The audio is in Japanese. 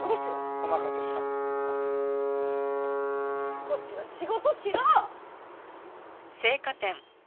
少しは仕事しろ！